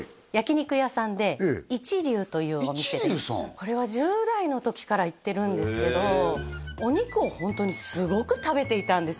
これは１０代の時から行ってるんですけどお肉をホントにすごく食べていたんです